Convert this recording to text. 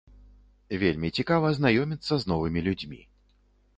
Вельмі цікава знаёміцца з новымі людзьмі.